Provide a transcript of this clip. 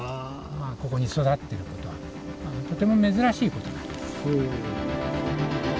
ここに育ってる事はとても珍しい事なんです。